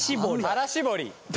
垂ら絞り。